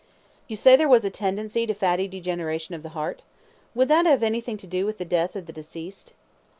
You say there was a tendency to fatty degeneration of the heart? Would that have anything to do with the death of deceased?